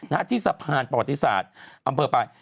ที่สะพานประวัติศาสตร์อำเภอปลาย